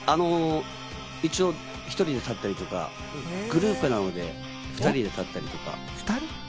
一応１人で立ったりとか、グループなので２人で立ったりとか。